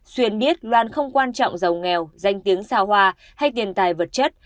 xuyên biết loan không quan trọng giàu nghèo danh tiếng xao hoa hay tiền tài vật chất